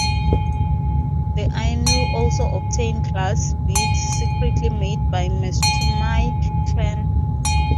The Ainu also obtained glass beads secretly made by the Matsumae Clan.